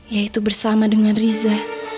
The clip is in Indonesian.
yaitu bersama dengan riza